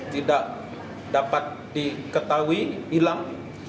tidak dapat diketahui hilang